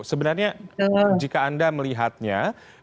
sebenarnya jika anda melihatnya